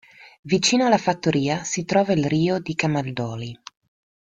Vicino alla Fattoria si trova il Rio di Camaldoli.